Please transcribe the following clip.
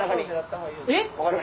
えっ？